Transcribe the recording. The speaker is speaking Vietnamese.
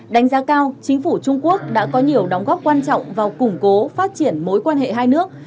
đánh giá cao chính phủ trung quốc đã có nhiều đóng góp quan trọng vào củng cố phát triển mối quan hệ hai nước